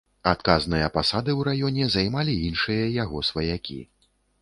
Адказныя пасады ў раёне займалі іншыя яго сваякі.